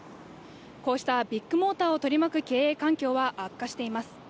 こうしたビッグモーターを取り巻く経営環境は悪化しています